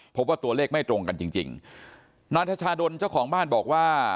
พบว่าตัวเลขไม่ตรงกันจริงจริงนายทชาดลเจ้าของบ้านบอกว่า